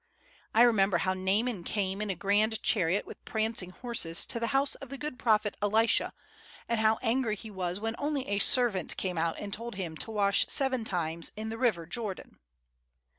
I remember how Naaman came in a grand chariot with prancing horses to the house of the good prophet Elisha, and how angry he was when only a servant came out and told him to wash seven times in the river Jordan."